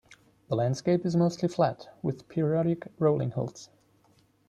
The landscape is mostly flat, with periodic rolling hills.